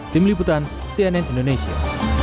tim liputan cnn indonesia